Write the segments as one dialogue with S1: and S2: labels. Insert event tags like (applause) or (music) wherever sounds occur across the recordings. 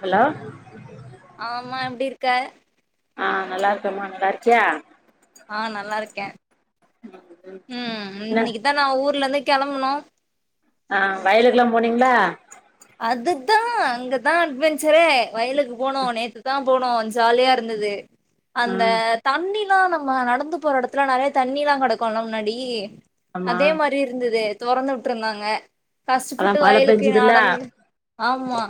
S1: hello
S2: ஆமா எப்டிருக்க
S1: ஆ நல்லார்க்கமா நல்லாருக்கியா
S2: அ நல்லார்க்கே ம்
S1: என்ன
S2: இன்னிக்கிதா நா ஊர்லருந்து கெளம்புனோ
S1: அ வயலுக்குலா போனீங்ளா
S2: அதுதா அங்கதா அட்வெஞ்ச்சரே வயலுக்கு போனோ நேத்து தா போனோ ஜாலியாருந்தது
S1: ஆ
S2: அந்த தண்ணிலா நம்ம நடந்து போற எடத்துல நெறய தண்ணிலா கெடக்குல்ல முன்னாடி
S1: ஆமா
S2: அதே மாரி இர்ந்தது தொறந்து வுட்ருந்தாங்க
S1: அதா
S2: கஷ்டபட்டு
S1: மழ
S2: வயலுக்கு
S1: பெஞ்சுதுல்ல
S2: நடந்து ஆமா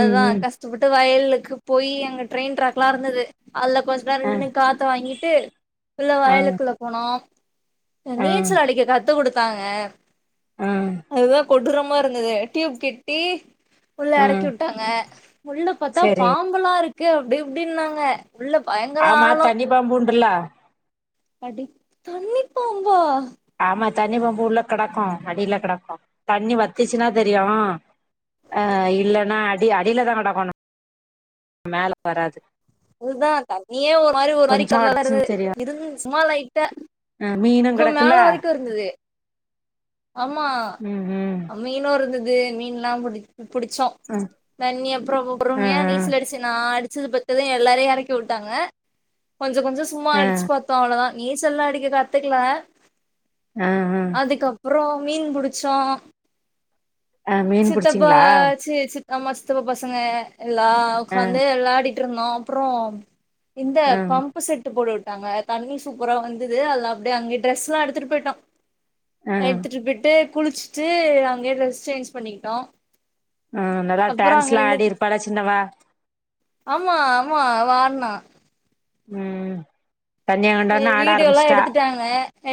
S1: ம் ம்
S2: கஷ் ஷ்டபட்டு வயலுக்கு போயி அங்க ட்ரெயின் ட்ராக்லா இருந்தது அதுல கொஞ் சொ நேர
S1: ஆ
S2: நின்னு காத்து வாங்கிட்டு உள்ள
S1: ஆ
S2: வயலுக்குள்ள போனோ ந்த
S1: ஆ
S2: நீச்சலடிக்க கத்து குடுத்தாங்க
S1: அ
S2: அதுதா கொடூரமா இருந்தது டியூப் கெட்டி உள்ள
S1: ஆ
S2: எறக்கிவுட்டாங்க உள்ள பாத்தா
S1: சரி
S2: பாம்பல்லா இருக்கு அப்டி இப்டின்னாங்க உள்ள பயங்
S1: ஆமா தண்ணி பாம்பு உண்டுல்ல
S2: அடி தண்ணிப்பாம்பா
S1: ஆமா தண்ணி பாம்பு உள்ள கெடக்கு அடில கெடக்கு தண்ணி வத்துசினா தெரியு அ இல்லனா அடி அடிலதா கெடக்கணு மேல வராது
S2: ஊதா தண்ணியே ஒரு மாரி ஒரு மாரி
S1: கொஞ்சமா
S2: கர்லரா
S1: அடிச்சுன்னு
S2: இருந்தது
S1: தெரியு
S2: இருந் சும்மா லைட்டா
S1: ஆ மீனு
S2: க்கும் மேல
S1: கெடக்குல்ல
S2: வரைக்குஇருந்துது ஆமா
S1: ம் ம்
S2: மீனுருந்துது மீன்லா புடி புடிச்சோ
S1: ஆ
S2: தண்ணி அப்றோ
S1: ஆ
S2: பொறுமையா
S1: ஆ
S2: நீச்சலடிச் சி நா அடிச்சது பாத்துதா எல்லாரையு எறக்கிவுட்டாங்க கொஞ்சங்கொஞ்சோ சும்மா
S1: ஆ
S2: அடிச்சு பாத் தம் அவ்ளோதா நீச்சல்லா அடிக்க கத்துக்ல
S1: அ அ
S2: அதுக்கப்றோ மீன் புடிச்சோ
S1: ஆ மீன்
S2: சித்தப்பா
S1: புடிச்சிங்களா
S2: சி சி நம்ம சித்தப்பா பசங்க எல்லா
S1: ஆ
S2: உக்காந்து விளாடிட்டு இருந்தோ அப்றோ இந்த
S1: ஆ
S2: பம்பு செட்டு போட்டு உட்டாங்க தண்ணி சூப்பரா வந்துது அதுல அப்டியே அங்கயே ட்ரெஸ்லா எடுத்துட்டு பொயிட்டோ
S1: ஆ
S2: எடுத்துட்டு பெயிட்டு குளிச்சுட்டு அங்கயே ட்ரஸ் சேஞ்ச் பண்ணிகிட்டோ
S1: ஆ நல்லா டான்ஸ்லா ஆடிருப்பாள சின்னவ
S2: ஆமா ஆமா அவ ஆட்னா
S1: ம்
S2: கொஞ்ச
S1: கன்னியாகுண்டோனே ஆட
S2: வீடியோல்லா
S1: ஆரம்பிச்சிட்டா
S2: எடுத்துட்டாங்க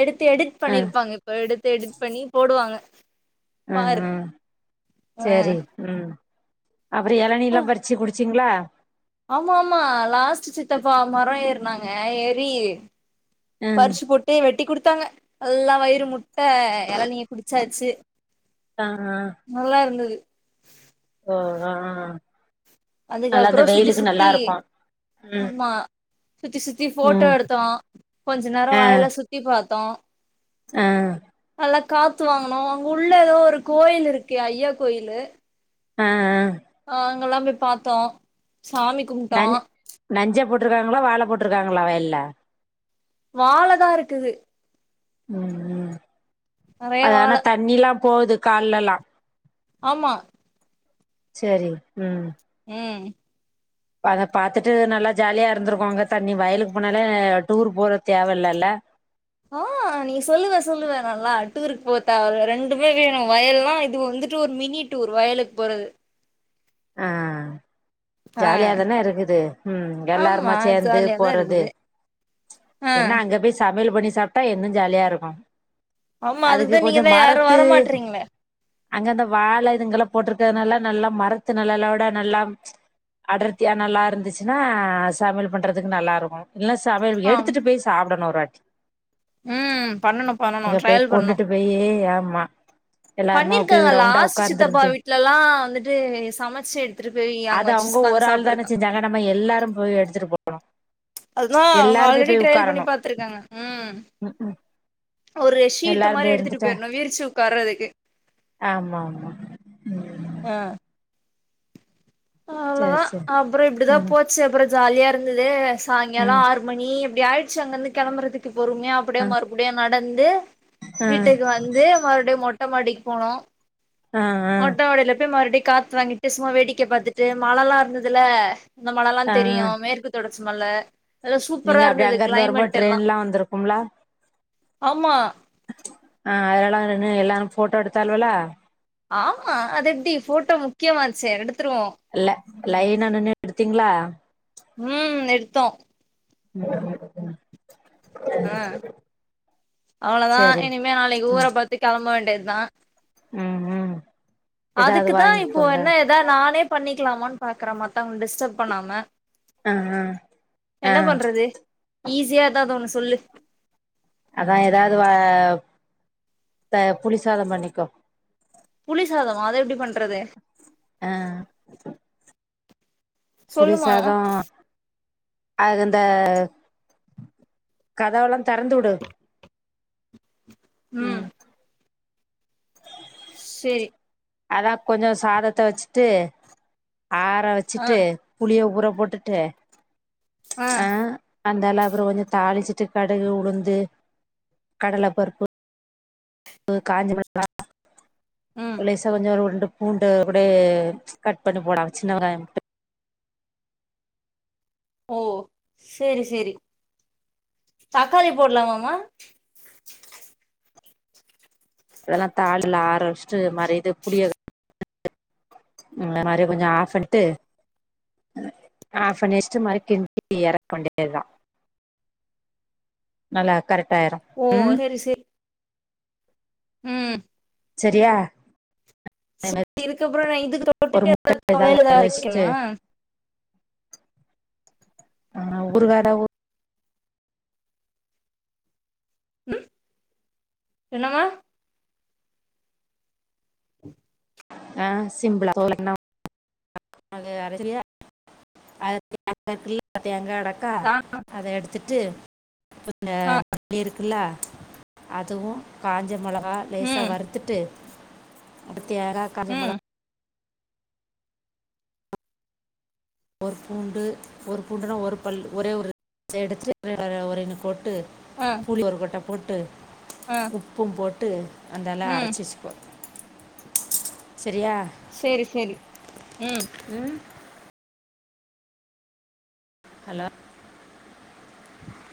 S2: எடுத்து எடிட்
S1: ஆ
S2: பண்ணிருப்பாங்க இப்ப எடுத்து எடிட் பண்ணி போடுவாங்க
S1: அ
S2: பாரு
S1: அ சரி ம் அப்பறோ
S2: ஆ,
S1: எளநில்லா பறிச்சு குடிச்சீங்ளா
S2: ஆமா ஆமா லாஸ்ட் சித்தப்பா மரோ ஏறுனாங்க ஏறி
S1: ம்
S2: பறிச்சு போட்டு வெட்டி குடுத்தாங்க நல்லா வயிறு முட்ட இளநிய குடிச்சாச்சு
S1: த அ
S2: நல்லாருந்துது
S1: ஓ அ அ அ
S2: அதுக்கு அப்ரோ சுத்தி சுத்தி
S1: இருக்கு ம்
S2: ஆமா சுத்தி சுத்தி போட்டோ
S1: ம்
S2: எடுத்தோ கொஞ்சோ நேரோ வயல சுத்தி சுத்தி பாத்தோ
S1: அ
S2: நல்லா காத்து வாங்குனோ அங்க உள்ள ஏதோ ஒரு கோயில் இருக்கு ஐயா கோயிலு
S1: அ அ
S2: ஆ அங்கல்லா போய் பாத்தோ சாமி கும்ட்டோ
S1: நஞ் நஞ்ச போட்டுருக்காங்ளா வாழ போட்டுருக்காங்ளா வயல்ல
S2: வாழதா இருக்குது
S1: ம் ம்
S2: நெறைய
S1: அது
S2: வாழ
S1: ஆனா தண்ணில்லா போது கால்லல்லா
S2: ஆமா
S1: சேரி ம்
S2: ம்
S1: அத பாத்துட்டு நல்லா ஜாலியா இருந்திருக்கு அங்க தண்ணி வயலுக்கு போனாலே டூர் போற தேவயில்ல இல்ல
S2: அ அ நீ சொல்லுவ சொல்லுவ நல்லா டூருக்கு போ தேவல்ல ரெண்டுமே வேணு வயல்ல இது வந்துட்டு ஒரு மினி டூர் வயலுக்கு போறது
S1: அ
S2: ஆ
S1: ஜாலியாதான இருக்குது
S2: ஆமா
S1: எல்லாருமா சேந்து
S2: ஜாலியாதா
S1: போறது
S2: இருக்குது ஆ
S1: என்னா அங்க போயி சமையல் பண்ணி சாப்ட்டா இன்னு ஜாலியா இருக்கு
S2: ஆமா
S1: அதுக்கு
S2: அதுக்குதா
S1: கொஞ்சோ
S2: நீங்கதா யாரு
S1: மரத்து
S2: வரமாட்றீங்களே
S1: அங்க அந்த வாழ இதுங்கெல்லா போட்டுருக்கிறதுனால நல்லா மரத்து நெழலோட நல்லா அடர்த்தியா நல்லா இருந்துச்சுன்னா சமையல் பண்றதுக்கு நல்லா இருக்கோ இல்னா சமையல்
S2: ஆ
S1: எடுத்துட்டு பேசி சாப்டணு ஒரு வாட்டி
S2: ம் பண்ணணு பண்ணணு
S1: அங்க பே
S2: ட்ரையல் பண்ணு
S1: கொண்டுட்டு போயி ஆமா எல்லாருமா அப்பே ரவுண்டா உக்காந்திருந்து
S2: இத்லெல்லா வந்துட்டு சமச்சு எடுத்துட்டு போயி
S1: அது அவுங்க ஒரு ஆள் தானே செஞ்சாங்க நம்ம எல்லாரு போயி எடுத்துட்டு போணு
S2: அதுக்குலா அவுங்க ஆல்ரெடி ட்ரெயல் பண்ணி பாத்திருக்காங்க ம்
S1: ம் ம்
S2: ஒரு ஷீட்டு
S1: எல்லாரு
S2: மாரி
S1: போய்
S2: எடுத்துட்டு
S1: இருந்துட்டா
S2: போயிர்ணு விரிச்சு உக்கார்றதுக்கு
S1: ஆமா ஆமா ம்
S2: ஆ அவ்ளதா
S1: சேரி சேரி
S2: அப்பறோ இப்டிதா
S1: ம்
S2: போச்சு அப்பறோ ஜாலியா இருந்தது சாய்ங்கால
S1: ம்
S2: ஆறு மணி அப்டி ஆயிட்ச்சு அங்கிந்து கெளம்பறதுக்கு பொறுமியா அப்படியே
S1: ஆ
S2: மறுபடியு ந டந்து
S1: ஆ
S2: வீட்டுக்கு வந்து மறுப்டியு மொட்ட மாடிக்கு போனோ
S1: ஆ ஆ
S2: மொட்ட மாடியில போய் மறுப்டி காத்து வாங்கிட்டு சும்மா வேடிக்கே பாத்துட்டு மலலா இருந்ததுல இந்த மலலா
S1: ஆ
S2: தெரியு மேற்கு தொடர்ச்சி மல நல்லு
S1: நீங்க
S2: சூப்பரா
S1: அப்டி
S2: இருந்தது
S1: அங்க இருந்து வரும்போது
S2: க்ளைமெட்டெல்லா
S1: ட்ரெயின்ல்லா வந்திருக்கும்ல
S2: ஆமா
S1: ஆ எல்லாரு நின்னு எவ்லாரு போட்டோ எடுத்தாள்வலா
S2: ஆமா அது எப்டி ஃபோட்டோ முக்கியமாச்சே எடுத்துருவோ
S1: இல்ல லைனா நின்னு எடுத்தீங்களா
S2: ம் எடுத்தோ
S1: (inaudible)
S2: அ அவ்ளதா
S1: சேரி
S2: இனிமே நாளைக்கு ஊர
S1: ம்
S2: பாத்து கெளம்ப வேண்டியதா
S1: ம் ம் ஏதாவது
S2: அதுக்குதா இப்போ
S1: வாங்கிக்கோங்க
S2: என்ன எதா நானே பண்ணிக்லாமான் பாக்குறே மத்தவங் டிஸ்டப் பண்ணாம
S1: ஆ ஆ ஆ
S2: என்ன பண்றது ஈஸியா எதாது ஒண்ணு சொல்லு
S1: அதா எதாது வ த புளி சாதம் பண்ணிக்கோ
S2: புளி சாதமா அத எப்டி பண்றது
S1: ஆ
S2: சொல்லுமா
S1: புளிசாதோ அதுந்த கதவெல்லா தெறந்துவுடு ம்
S2: சேரி
S1: அதா கொஞ்சோ சாதத்த வெச்சுட்டு ஆற
S2: ஆ
S1: வெச்சுட்டு புளிய ஊற போட்டுட்டு ஆ அந்தாலா அப்புறோ கொஞ்ச தாளிச்சிட்டு கடுகு உளுந்து கடலப்பருப் பு காஞ்சமெளகா
S2: ம்
S1: லேஸ் த கொஞ்சோ ஒரு ரெண்டு பூண்டு கூடே கட் பண்ணி போடலா சின்வெங்காயம்
S2: ஓ சேரி சேரி தக்காளி போட்லாமாமா
S1: இதெல்லா தாள்ல ஆரவெஷ்ட்டு மாரி இது புளிய அ (unintelligible) மாரி கொஞ்ச ஆஃப் பன்ட்டு ஆஃப் பண்ணி வெஷ்ட்டு மறுப்டி கிண்டி எறக்க வேண்டியதா நல்லா கரெக்டாயிரு
S2: ஓ செரி ம்
S1: செரியா
S2: இதுக்கப்புற நா இதுக்கு
S1: ஒரு முட்ட
S2: தொட்டுக்க தொவயலு எதா
S1: ஏதாவது வச்சுட்டு
S2: அரைக்கணுமா
S1: ஆ ஒரு வெடவு
S2: ம் என்னமா
S1: அ சிம்பிளா (unintelligible) அத (unintelligible) த்துட்டு (unintelligible)
S2: ஆ ஆ
S1: மல்லி இருக்குல்ல அதுவு காஞ்ச மொளகா லேசா
S2: ம்
S1: வறுத்துட்டு அடுத்து ஏறாக் காஞ்ச மொள
S2: ம்
S1: ஒரு பூண்டு ஒருப் பூண்டுனா ஒரு பல்லு ஒரே ஒரு (unintelligible) எடுத்துட்டு ஒருன கொட்டு புளி ஒரு கொட்ட போட்டு
S2: அ
S1: உப்பும் போட்டு அந்தயெலா அரச்சு எச்சுகோ செரியா
S2: சேரி சேரி ம்
S1: ம் ஹலோ